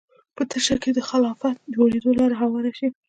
په تشه کې خلافت جوړېدو لاره هواره شي